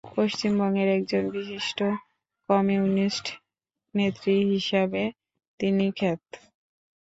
পশ্চিমবঙ্গের একজন বিশিষ্ট কমিউনিস্ট নেত্রী হিসাবে তিনি খ্যাত।